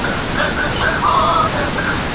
ایا درد پای ته ورسېد؟